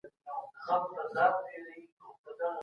تاسي باید په ژوند کي صادق واوسئ.